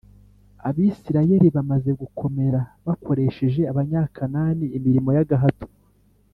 Abisirayeli bamaze gukomera, bakoresheje Abanyakanani imirimo y’agahato,